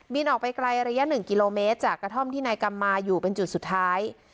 ออกไปไกลระยะ๑กิโลเมตรจากกระท่อมที่นายกำมาอยู่เป็นจุดสุดท้าย